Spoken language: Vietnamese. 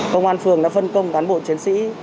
công an phường đã phân công cán bộ chiến sĩ